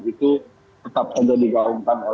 itu tetap ada di gaungkan